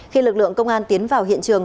khi lực lượng công an tiến vào hiện trường